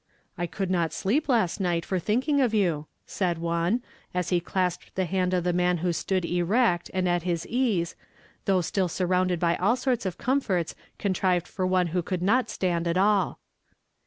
" I could not sleep last niglit, for thinking of you," said one, as he clasped the hand of the man who stood erect and at his ease, thougli still sur rounded by all sorts of comforts contrived for one who could not stand at all.